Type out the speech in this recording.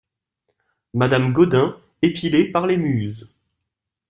Madame Gaudin Épilé par les muses !